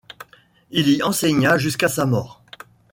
Il y enseigna jusqu'à sa mort.